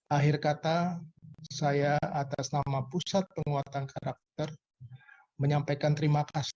akhir kata saya atas nama pusat penguatan karakter menyampaikan terima kasih